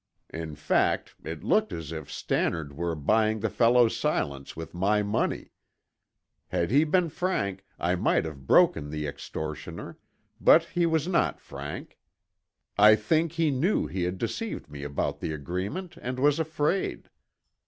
In fact, it looked as if Stannard were buying the fellow's silence with my money. Had he been frank, I might have broken the extortioner, but he was not frank. I think he knew he had deceived me about the agreement and was afraid.